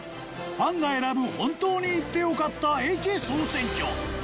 ファンが選ぶ『本当に行ってよかった駅総選挙』。